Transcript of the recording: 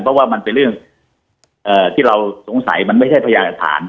เพราะว่ามันเป็นเรื่องที่เราสงสัยมันไม่ใช่พยานหลักฐาน